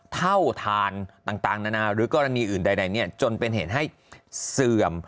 เท่าทานต่างนานาหรือกรณีอื่นใดจนเป็นเหตุให้เสื่อม